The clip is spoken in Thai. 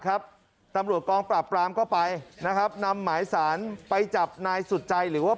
เรือการปรับปรามก่อนไปนะครับนำหมายสารไปจับนายสุดใจหรือว่า